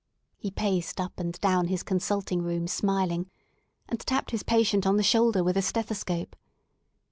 He paced up and down his consulting room smiling, and tapped his patient on the shoulder with a stethoscope.